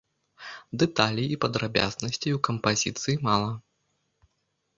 Дэталей і падрабязнасцей у кампазіцыі мала.